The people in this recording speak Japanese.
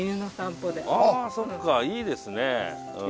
あぁそっかいいですね。